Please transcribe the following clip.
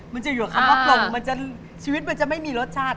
มันจะอยู่กับคำว่าปลงมันจะชีวิตมันจะไม่มีรสชาติ